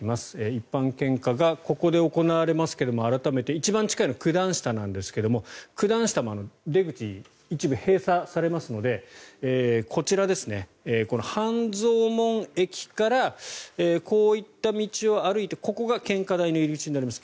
一般献花がここで行われますが改めて、一番近いのは九段下ですが九段下、出口の一部が一部閉鎖されますのでこちら、半蔵門駅からこういった道を歩いて、ここが献花台の入り口になります。